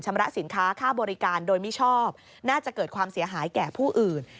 สินค้าค่าบริการโดยมิชอบน่าจะเกิดความเสียหายแก่ผู้อื่น